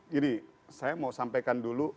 jadi saya mau sampaikan dulu